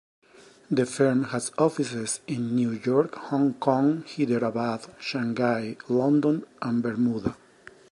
The firm has offices in New York, Hong Kong, Hyderabad, Shanghai, London and Bermuda.